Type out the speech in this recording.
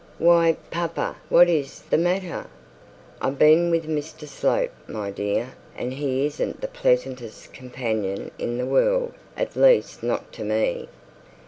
'Why, papa, what is the matter?' 'I've been with Mr Slope, my dear; and he isn't the pleasantest companion in the world, at least not to me.'